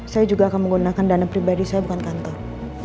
saya juga akan menggunakan dana pribadi saya bukan kantor